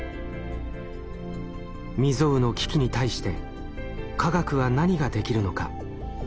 未曽有の危機に対して科学は何ができるのか。